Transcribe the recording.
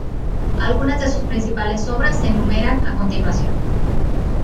Algunas de sus principales obras se enumeran a continuación.